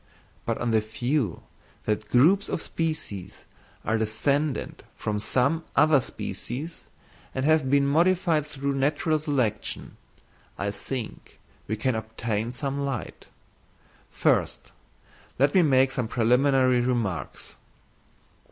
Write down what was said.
But on the view that groups of species are descended from some other species, and have been modified through natural selection, I think we can obtain some light. First let me make some preliminary remarks.